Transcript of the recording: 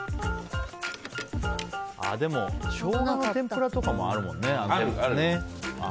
でも、ショウガの天ぷらとかもあるもんね。